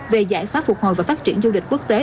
về giải pháp phục hồi và phát triển du lịch quốc tế